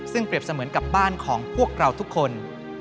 ซึ่งเปรียบเสมือนกับบ้านของพวกเราทุกคน